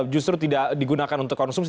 justru tidak digunakan untuk konsumsi